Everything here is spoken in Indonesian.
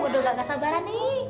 gue udah gak sabaran nih